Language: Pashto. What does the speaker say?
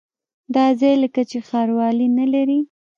دا ځای لکه چې ښاروالي نه لري.